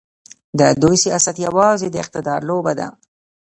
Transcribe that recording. د دوی سیاست یوازې د اقتدار لوبه ده.